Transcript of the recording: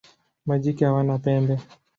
Majike hawana pembe.